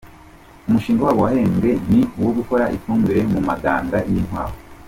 Umushinga wabo wahembwe ni uwo gukora ifumbire mu maganga y’ inkwavu.